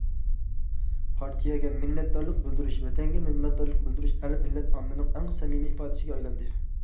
« پارتىيەگە مىننەتدارلىق بىلدۈرۈش، ۋەتەنگە مىننەتدارلىق بىلدۈرۈش» ھەر مىللەت ئاممىنىڭ ئەڭ سەمىمىي ئىپادىسىگە ئايلاندى.